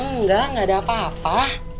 nggak nggak ada apa apa